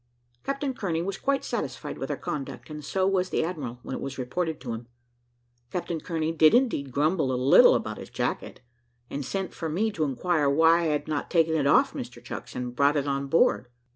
Captain Kearney was quite satisfied with our conduct, and so was the admiral, when it was reported to him. Captain Kearney did indeed grumble a little about his jacket, and sent for me to inquire why I had not taken it off Mr Chucks, and brought it on board.